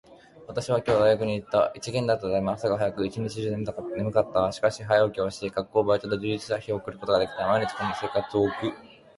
私は今日大学に行った。一限だったため、朝が早く、一日中眠たかった。しかし、早起きをし、学校、バイトと充実した日を送ることができた。毎日こんな生活を送りたい。しかし私は早起きが苦手だ。